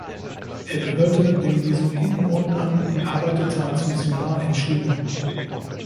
Er gehörte dem Jesuitenorden an und arbeitete als Missionar in China.